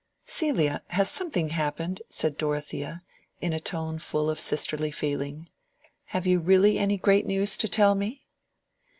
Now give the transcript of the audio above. "Celia! has something happened?" said Dorothea, in a tone full of sisterly feeling. "Have you really any great news to tell me?"